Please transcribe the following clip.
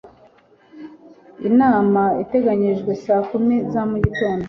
Inama iteganijwe saa kumi za mugitondo